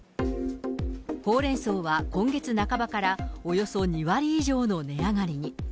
ホウレンソウは今月半ばからおよそ２割以上の値上がりに。